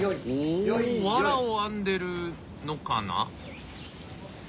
おおワラを編んでるのかな？